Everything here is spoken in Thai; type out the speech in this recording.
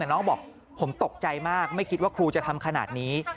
น้องบอกผมตกใจมากไม่คิดว่าครูจะทำขนาดนี้